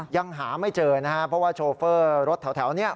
ยังหาไม่เจอนะครับเพราะว่าโชเฟอร์รถแถวนี้